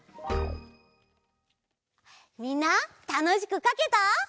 みんなたのしくかけた？